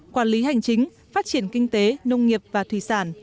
quản lý hành chính phát triển kinh tế nông nghiệp và thủy sản